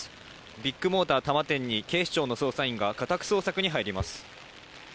ビッグモーター多摩店に警視庁の捜査員が家宅捜索に入ります。